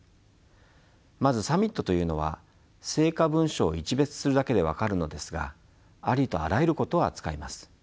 まずサミットというのは成果文書をいちべつするだけで分かるのですがありとあらゆることを扱います。